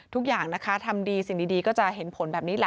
ทุกอย่างนะคะทำดีสิ่งดีก็จะเห็นผลแบบนี้แหละ